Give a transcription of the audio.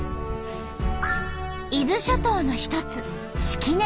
伊豆諸島の一つ式根島。